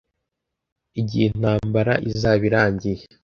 igihe intambara izaba irangiye